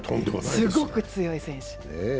すごく強い選手。